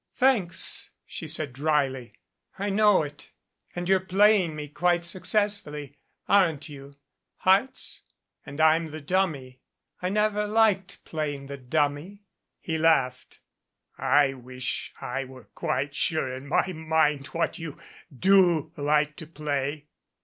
"Thanks," she said dryly. "I know it. And you're playing me quite successfully aren't you? Hearts? 286 CIRCE 'AND THE FOSSIL and I'm the 'dummy.' I never liked playing the 'dummy.' ' He laughed. "I wish I were quite sure in my mind what you do like to play."